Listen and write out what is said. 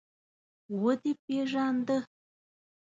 _ودې پېژانده؟